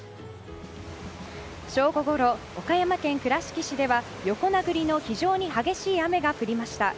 正午ごろ岡山県倉敷市では横殴りの非常に激しい雨が降りました。